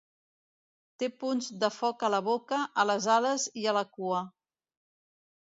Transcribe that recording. Té punts de foc a la boca, a les ales i a la cua.